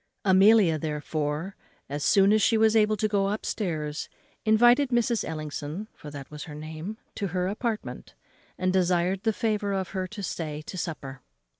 Amelia, therefore, as soon as she was able to go up stairs, invited Mrs. Ellison (for that was her name) to her apartment, and desired the favour of her to stay to supper.